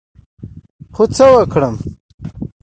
خو څه وکړم،